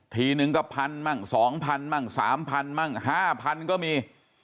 ทีนึงก็๑๐๐๐บาทมั่ง๒๐๐๐บาทมั่ง๓๐๐๐บาทมั่ง๕๐๐๐บาทก็มี